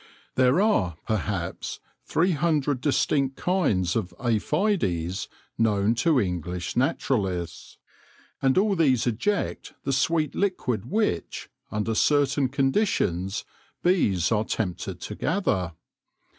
There are, perhaps, three hundred distinct kinds of aphides known to English naturalists, and all these eject the sweet liquid which, under certain conditions, bees are tempted to gather.